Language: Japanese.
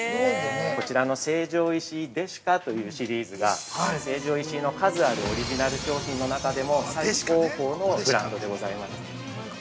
◆こちらの成城石井デシカというシリーズが成城石井の数あるオリジナル商品の中でも最高峰のブランドでございます。